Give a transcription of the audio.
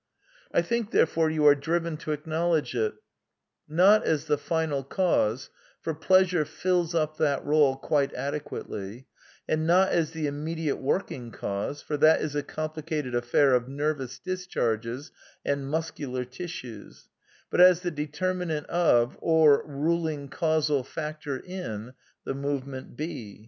I think, therefore, you are driven to acknowledge it, not as the final cause — for pleasure fills up that role quite ade quately — and not as the immediate working cause — for that is a complicated alTair of nervous discharges and muscular tissues — but as the determinant of (or ruling causal factor in) the movement h.